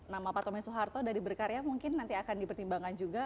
nama pak tommy soeharto dari berkarya mungkin nanti akan dipertimbangkan juga